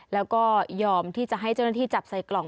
แล้วก็ยอมที่จะให้เจ้าหน้าที่จับใส่กล่อง